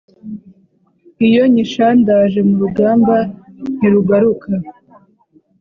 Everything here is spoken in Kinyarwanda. iyo nyishandaje mu rugamba ntirugaruka,